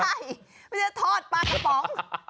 ใช่ไม่ใช่ทอดปลากระป๋อง